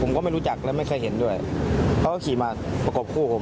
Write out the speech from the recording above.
ผมก็ไม่รู้จักและไม่เคยเห็นด้วยเขาก็ขี่มาประกบคู่ผม